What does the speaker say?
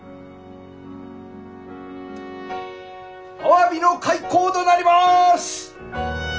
アワビの開口となります！